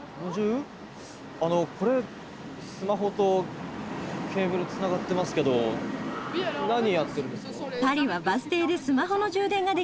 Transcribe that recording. あのこれスマホとケーブルつながってますけど何やってるんですか？